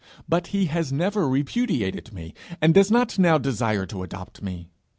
But he has never repudiated me, and does not now desire to adopt me.